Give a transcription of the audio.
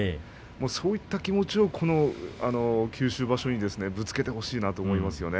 そういった気持ちを九州場所にぶつけてほしいなと思います。